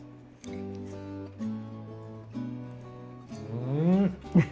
うん！